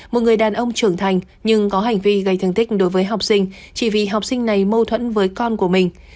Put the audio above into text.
một người đàn ông trưởng thành nhưng có hành vi gây thương tích đối với học sinh chỉ vì học sinh này mâu thuẫn với con của mình